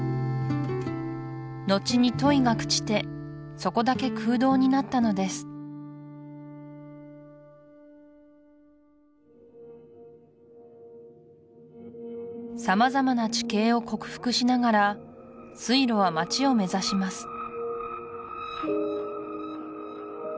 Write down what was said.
のちに樋が朽ちてそこだけ空洞になったのです様々な地形を克服しながら水路は街を目指します